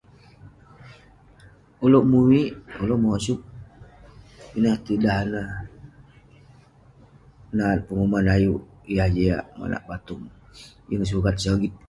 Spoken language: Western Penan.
Ulouk muik, ulouk mosup. Ineh tidah ireh nat penguman ayuk- yah jiak ayuk batung. Yeng sukat sogit.